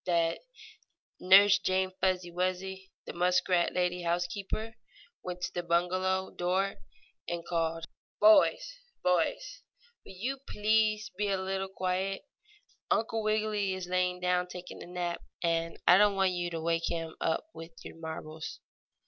that Nurse Jane Fuzzy Wuzzy, the muskrat lady housekeeper, went to the bungalow door and called: "Boys! Boys! Will you please be a little quiet? Uncle Wiggily is lying down taking a nap, and I don't want you to wake him up with your marbles."